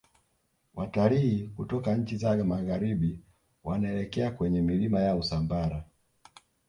Watilii kutoka nchi za magharibi wanaelekea kwenye milima ya usambara